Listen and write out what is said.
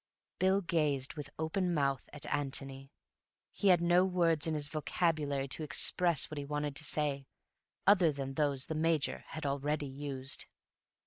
Bill gazed with open mouth at Antony. He had no words in his vocabulary to express what he wanted to say, other than those the Major had already used.